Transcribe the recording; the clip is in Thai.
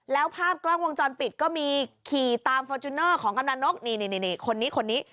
แล้วภาพกล้องวงจรปิดก็มีขี่ตามฟอร์จูเนอร์ของกำลังนกนี่คนนี้คนนี้